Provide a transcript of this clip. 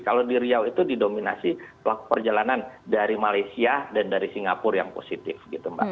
kalau di riau itu didominasi pelaku perjalanan dari malaysia dan dari singapura yang positif